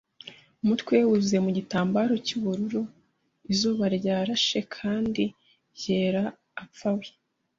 umutwe we wuzuye mu gitambaro cy'ubururu. Izuba ryarashe, kandi ryera apfa we